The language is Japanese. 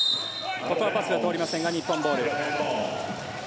ここはパスが通りませんが日本ボール。